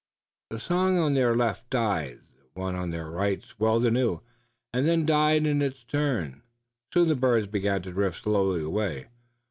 The song on their left died, the one on their right swelled anew, and then died in its turn. Soon the birds began to drift slowly away.